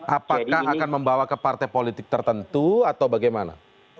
apakah akan membawa ke partai politik tertentu atau bagaimana